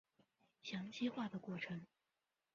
羟基化的过程。